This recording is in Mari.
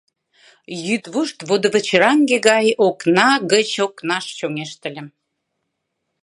Йӱдвошт водывычыраҥге гай окна гыч окнаш чоҥештыльым.